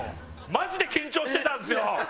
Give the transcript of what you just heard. マジで緊張してたんですよ。